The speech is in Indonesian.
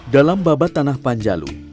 dalam babat tanah panjalu